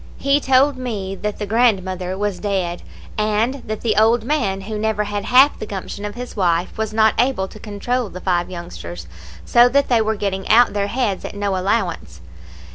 He told me that the grandmother was dead, and that the old man, who never had half the gumption of his wife, was not able to control the five youngsters; so that they were getting out their heads at no allowance.